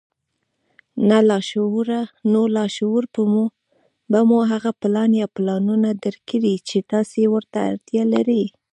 نو لاشعور به مو هغه پلان يا پلانونه درکړي چې تاسې ورته اړتيا لرئ.